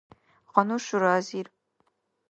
гъану шура азир